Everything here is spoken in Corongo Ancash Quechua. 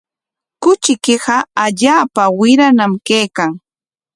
Kuchiykiqa allaapa wirañam kaykan.